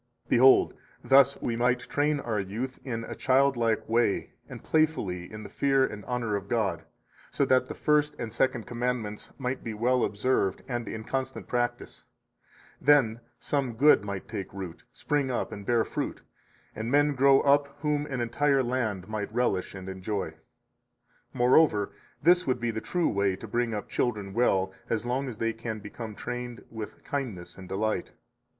75 Behold, thus we might train our youth, in a childlike way and playfully in the fear and honor of God, so that the First and Second Commandments might be well observed and in constant practise, Then some good might take root, spring up and bear fruit, and men grow up whom 76 an entire land might relish and enjoy. Moreover, this would be the true way to bring up children well as long as they can become trained with kindness and delight.